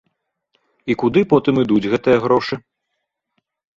І куды потым ідуць гэтыя грошы?